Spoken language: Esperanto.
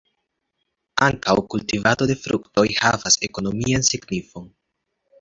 Ankaŭ kultivado de fruktoj havas ekonomian signifon.